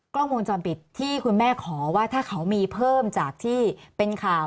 กล้องวงจรปิดที่คุณแม่ขอว่าถ้าเขามีเพิ่มจากที่เป็นข่าว